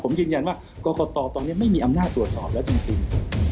ผมยืนยันว่ากรกตตอนนี้ไม่มีอำนาจตรวจสอบแล้วจริง